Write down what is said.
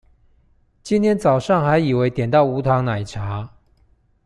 今天早上還以為點到無糖奶茶